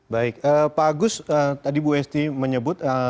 baik pak agus tadi bu esti menyebut